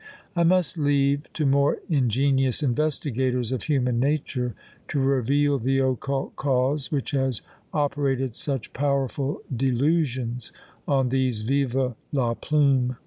I must leave to more ingenious investigators of human nature to reveal the occult cause which has operated such powerful delusions on these "Vive la Plume!"